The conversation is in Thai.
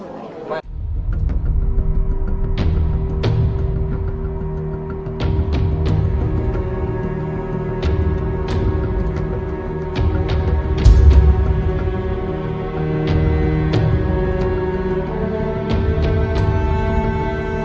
คุณสำคัญที่ช่วยด้วย